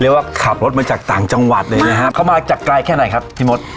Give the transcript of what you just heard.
ว่าขับรถมาจากต่างจังหวัดเลยนะฮะเขามาจากไกลแค่ไหนครับพี่มด